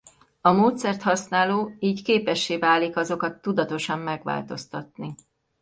A módszert használó így képessé válik azokat tudatosan megváltoztatni.